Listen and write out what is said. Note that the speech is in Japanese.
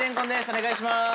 お願いします。